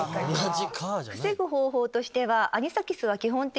防ぐ方法としては。